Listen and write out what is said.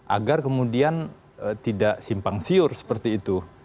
agar kemudian tidak simpang siur seperti itu